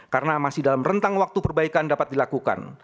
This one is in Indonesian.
karena masih dalam rentang waktu perbaikan dapat dilakukan